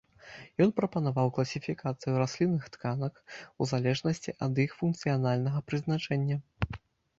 Ён прапанаваў класіфікацыю раслінных тканак у залежнасці ад іх функцыянальнага прызначэння.